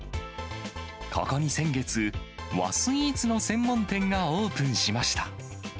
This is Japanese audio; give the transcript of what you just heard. ここに先月、和スイーツの専門店がオープンしました。